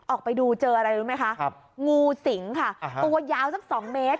ออกไปดูเจออะไรรู้ไหมคะงูสิงค่ะตัวยาวสัก๒เมตร